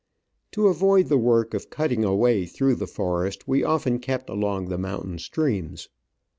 To avoid the work of cutting a way through the forest we often kept along the mountain streams.